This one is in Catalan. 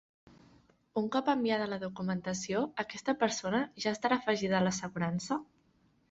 Un cop enviada la documentació, aquesta persona ja estarà afegida a l'assegurança?